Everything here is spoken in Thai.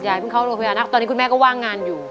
เพิ่งเข้าโรงพยาบาลนะตอนนี้คุณแม่ก็ว่างงานอยู่